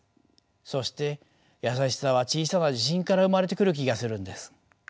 そして優しさは小さな自信から生まれてくる気がするんです。